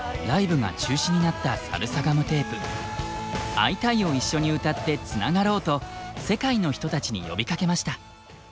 「アイタイ！」を一緒に歌ってつながろうと世界の人たちに呼びかけました。